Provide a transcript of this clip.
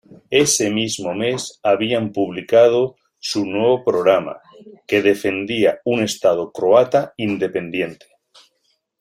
Ese mismo mes habían publicado su nuevo programa, que defendía un Estado croata independiente.